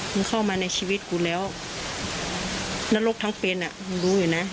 มึงเข้ามาในชีวิตกูแล้วนรกทั้งเป็นอ่ะมึงรู้อยู่นะ